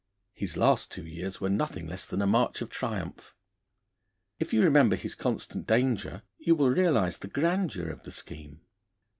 His last two years were nothing less than a march of triumph. If you remember his constant danger, you will realise the grandeur of the scheme.